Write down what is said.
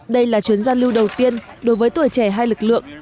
đây là chuyến giao lưu đầu tiên đối với tuổi trẻ hai lực lượng